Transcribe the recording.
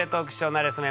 なれそめ」